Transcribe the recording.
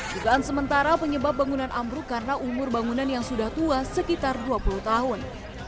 dugaan sementara penyebab bangunan ambruk karena umur bangunan yang sudah tua sekitar dua puluh tahun